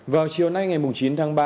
vào chiều nay ngày chín tháng ba